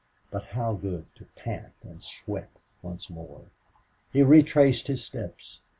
But how good to pant and sweat once more! He retraced his steps.